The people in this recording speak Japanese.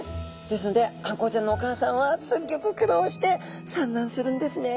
ですのであんこうちゃんのお母さんはすっギョく苦労して産卵するんですね。